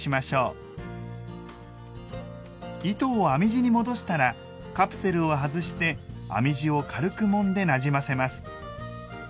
糸を編み地に戻したらカプセルを外して編み地を軽くもんでなじませます。